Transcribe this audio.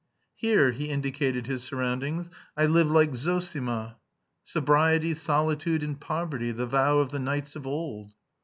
"Here," he indicated his surroundings, "I live like Zossima. Sobriety, solitude, and poverty the vow of the knights of old."